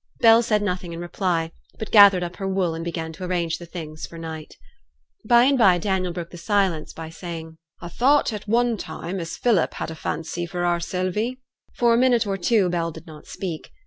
Bell said nothing in reply, but gathered up her wool, and began to arrange the things for night. By and by Daniel broke the silence by saying, 'A thowt at one time as Philip had a fancy for our Sylvie.' For a minute or two Bell did not speak.